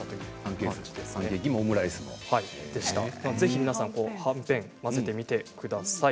ぜひ皆さん、はんぺん混ぜてみてください。